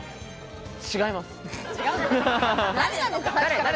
違います。